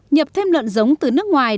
nhập thêm lợn giống từ nước ngoài